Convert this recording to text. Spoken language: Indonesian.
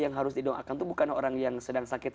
yang harus didoakan itu bukan orang yang sedang sakit